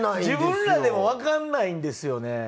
自分らでもわかんないんですよね。